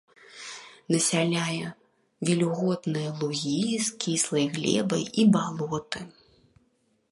Насяляе вільготныя лугі з кіслай глебай і балоты.